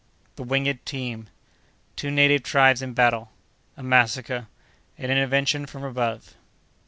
—The Winged Team.—Two Native Tribes in Battle.—A Massacre.—An Intervention from above.